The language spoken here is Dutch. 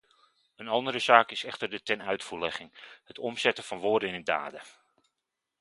Een andere zaak is echter de tenuitvoerlegging: het omzetten van woorden in daden.